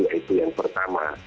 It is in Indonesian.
yaitu yang pertama